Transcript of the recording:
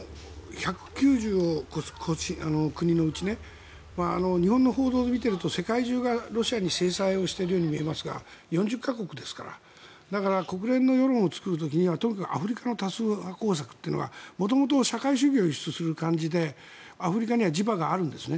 １９０を超す国のうち日本の報道を見ていると世界中がロシアに制裁をしているように見えますが４０か国ですからだから、国連の世論を作る時にはアフリカの多数派工作というのが元々社会主義を輸出する感じでアメリカには地場があるんです。